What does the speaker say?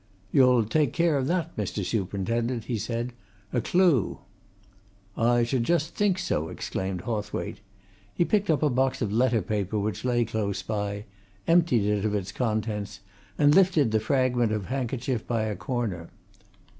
"You'll take care of that, Mr. Superintendent?" he said. "A clue!" "I should just think so!" exclaimed Hawthwaite. He picked up a box of letter paper which lay close by, emptied it of its contents, and lifted the fragment of handkerchief by a corner.